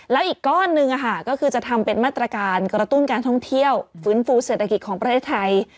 แล้วอีกก้อนหนึ่งก็คือจะทำเป็นมาตรการกระตุ้นการท่องเที่ยวฟื้นฟูเศรษฐกิจของประเทศไทย